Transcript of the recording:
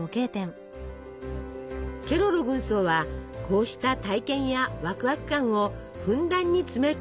ケロロ軍曹はこうした体験やワクワク感をふんだんに詰め込んだ作品。